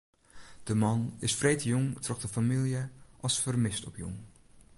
De man is freedtejûn troch de famylje as fermist opjûn.